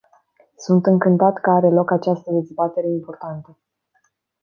Sunt încântat că are loc această dezbatere importantă.